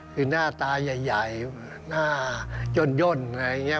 คือหน้าตาใหญ่หน้าย่นอะไรอย่างนี้